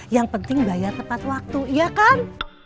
yang penting bayar tepat waktu iya kan